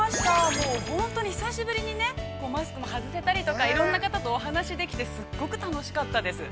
もう本当に久しぶりに、マスクも外せたり、いろんな方とお話しできたりしてすごく楽しかったです。